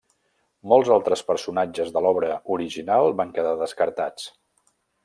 Molts altres personatges de l'obra original van quedar descartats.